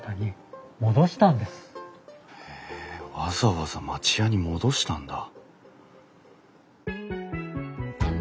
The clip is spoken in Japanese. わざわざ町家に戻したんだ。